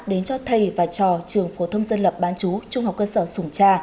đến cho thầy và trò trường phổ thông dân lập bán chú trung học cơ sở sùng trà